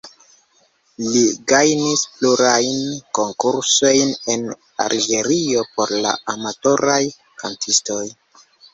Li gajnis plurajn konkursojn en Alĝerio por amatoraj kantistoj.